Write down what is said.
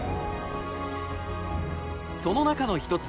その中の一つ